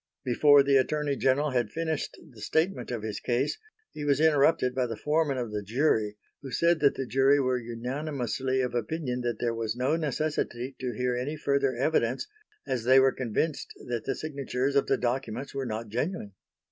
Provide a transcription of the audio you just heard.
Before the Attorney General had finished the statement of his case, he was interrupted by the foreman of the jury, who said that the jury were unanimously of opinion that there was no necessity to hear any further evidence as they were convinced that the signatures of the documents were not genuine.